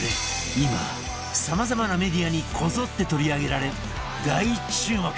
今さまざまなメディアにこぞって取り上げられ大注目！